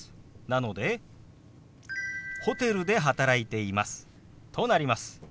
なので「ホテルで働いています」となります。